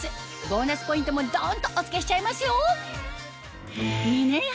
ボーナスポイントもどんとお付けしちゃいますよ！